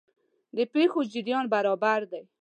د پېښو جریان برابر دی.